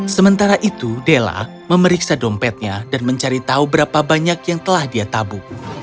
sementara itu della memeriksa dompetnya dan mencari tahu berapa banyak yang telah dia tabu